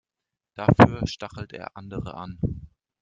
Dafür stachelt er andere an.